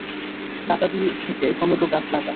কাদা দিয়ে ঢেকে টমেটো গাছ লাগা।